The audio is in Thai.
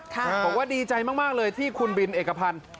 บอกว่าดีใจมากเลยที่คุณบินเอกพันธ์